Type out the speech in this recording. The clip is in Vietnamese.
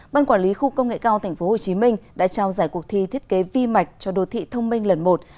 ban quản lý khu công nghệ cao tp hcm đã trao giải cuộc thi thiết kế vi mạch cho đô thị thông minh lần một